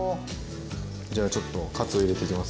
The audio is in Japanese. じゃあちょっとカツを入れていきます。